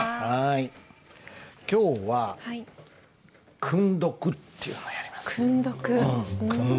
今日は「訓読」っていうのをやります。